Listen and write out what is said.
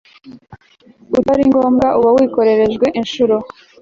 utari ngombwa uba wikorejwe Inshuro